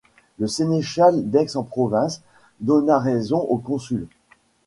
Le sénéchal d'Aix-en-Provence donna raison aux consuls.